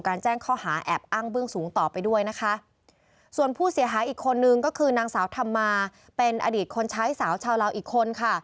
การแจ้งค่อหาแอบอ้างเบื้องสูงต่อไปนะคะ